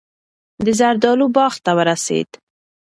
د زردالو باغ ته ورسېد.